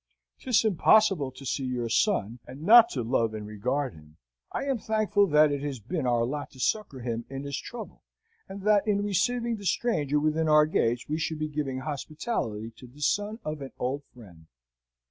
'Tis impossible to see your son, and not to love and regard him. I am thankful that it has been our lot to succour him in his trouble, and that in receiving the stranger within our gates we should be giving hospitality to the son of an old friend."